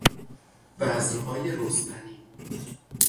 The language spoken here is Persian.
بذرهای رستنی